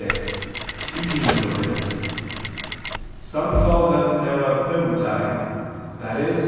vi), speaking of religious: "Some call them therapeutai," i.e.